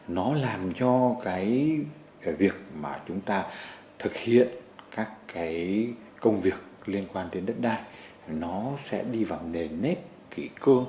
nó làm cho cái việc mà chúng ta thực hiện các cái công việc liên quan đến đất đai nó sẽ đi vào nền nếp kỹ cương